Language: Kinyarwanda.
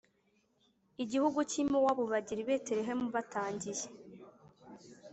igihugu cy i Mowabu bagera i Betelehemu batangiye